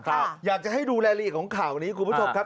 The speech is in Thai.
อยากจะให้ดูรายละเอียดของข่าวนี้คุณผู้ชมครับ